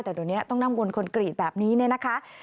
แต่เดี๋ยวนี้ต้องนั่งบนคอนกรีตแบบนี้เนี่ยนะคะ